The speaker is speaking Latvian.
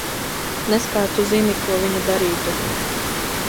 Nez kā tu zini, ko viņa darītu?